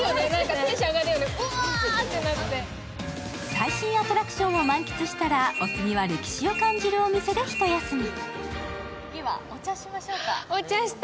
最新アトラクションを満喫したらお次は歴史を感じるお店で一休み。